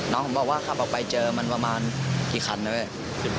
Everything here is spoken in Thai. น้องผมบอกว่าขับออกไปเจอมันประมาณกี่คันนะเว้ย